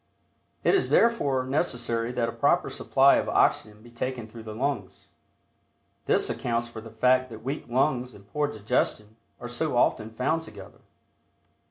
It is therefore necessary that a proper supply of oxygen be taken through the lungs. This accounts for the fact that weak lungs and poor digestion are so often found together.